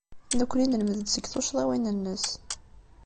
Nekkni nelmed-d seg tuccḍiwin-nnes.